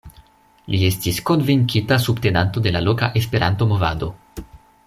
Li estis konvinkita subtenanto de la loka Esperanto-movado.